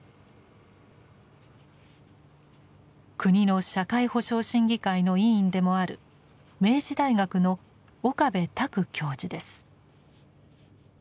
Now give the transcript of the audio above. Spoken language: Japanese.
国の社会保障審議会の委員でもある明治大学の岡部卓教授です。